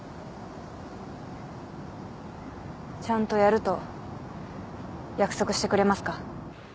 ちゃんとやると約束してくれますか。